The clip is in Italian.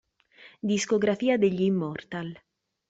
Discografia degli Immortal